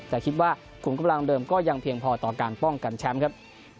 แต่คิดว่าขุมกำลังเดิมก็ยังเพียงพอต่อการป้องกันแชมป์ครับ